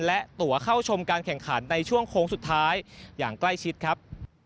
และตัวเข้าชมการแข่งขันในช่วงโค้งสุดท้ายอย่างใกล้ชิดครับ